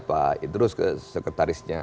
pak idrus sekretarisnya